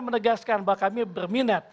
menegaskan bahwa kami berminat